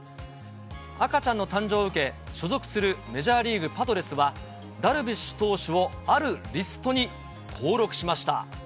赤ちゃんの誕生を受け、所属するメジャーリーグ・パドレスは、ダルビッシュ投手をあるリストに登録しました。